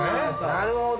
なるほど。